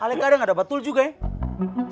alaika ada gak ada betul juga ya